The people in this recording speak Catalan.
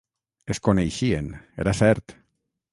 Es coneixien, era cert!